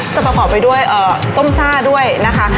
ประกอบไปด้วยส้มซ่าด้วยนะคะ